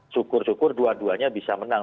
syukur syukur dua duanya bisa menang